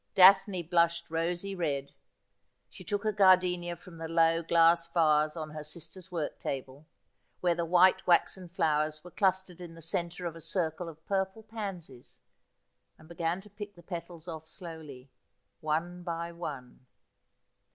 Daphne blushed rosy red. She took a gardenia from the low glass vase on her sister's work table, where the white waxen flowers were clustered in the centre of a circle of purple pansies, and began to pick the petals off slowly, one by one.